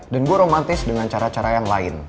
dan gue romantis dengan cara cara yang lain